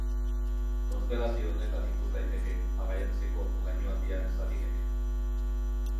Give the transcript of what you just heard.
Konstelazio honetan ikus daiteke Magallanesen Laino Handiaren zati gehiena.